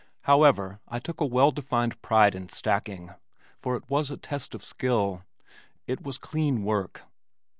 However, I took a well defined pride in stacking, for it was a test of skill. It was clean work.